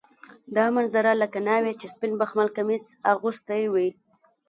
دا منظره لکه ناوې چې سپین بخمل کمیس اغوستی وي.